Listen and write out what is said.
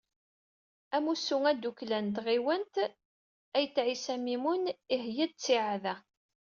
Amussu adukklan n tɣiwant n Ayt Ɛisa Mimun, yeḥya-d ttiɛad-a.